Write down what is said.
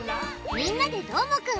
「みんなＤＥどーもくん！」。